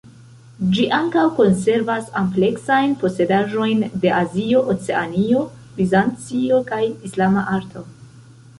Ĝi ankaŭ konservas ampleksajn posedaĵojn de Azio, Oceanio, Bizancio, kaj Islama arto.